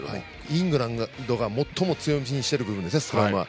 イングランドが最も強いとしてる部分ですねスクラムは。